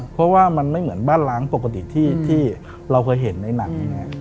เพราะว่ามันไม่เหมือนบ้านล้างปกติที่เราเคยเห็นในหนัง